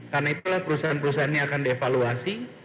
karena itulah perusahaan perusahaan ini akan dievaluasi